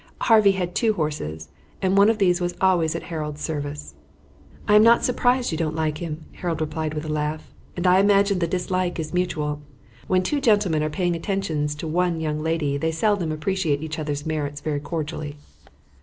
Harvey had two horses, and one of these was always at Harold's service. "I am not surprised you don't like him," Harold replied with a laugh, "and I imagine the dislike is mutual. When two gentlemen are paying attentions to one young lady they seldom appreciate each other's merits very cordially."